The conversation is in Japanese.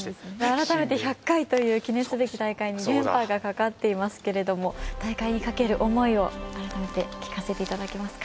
改めて１００回という記念すべき大会に連覇がかかっていますけれども大会にかける思いを改めて聞かせていただけますか？